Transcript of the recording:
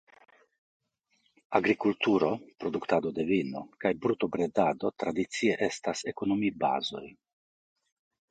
Agrikulturo (produktado de vino) kaj brutobredado tradicie estas ekonomibazoj.